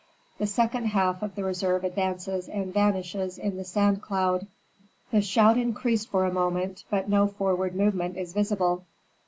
The second half of the reserve advances and vanishes in the sand cloud. The shout increased for a moment, but no forward movement is visible.